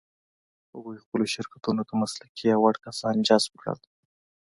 هغوی خپلو شرکتونو ته مسلکي او وړ کسان جذب کړل.